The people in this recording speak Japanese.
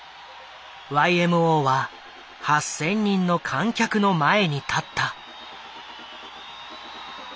ＹＭＯは８，０００人の観客の前に立った。